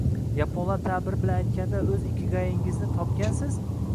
Yaponlar taʼbiri bilan aytganda, oʻz “ikigay”ingizni topgansiz?